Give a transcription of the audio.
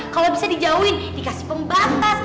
kalau bisa dijauhin dikasih pembatas